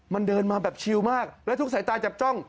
มันเดินมาแบบชิลมากและทุกสายตาจับจ้อง